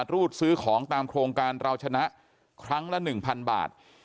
รูดซื้อของตามโครงการราวชนะครั้งละหนึ่งพันบาท